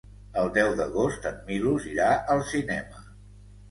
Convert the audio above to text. El deu d'agost en Milos irà al cinema.